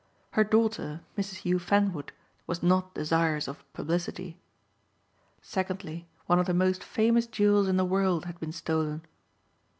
Her daughter Mrs. Hugh Fanwood was not desirous of publicity. Secondly one of the most famous jewels in the world had been stolen.